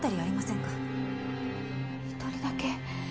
１人だけ。